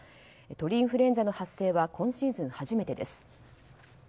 鳥インフルエンザの発生は今シーズン初めてです。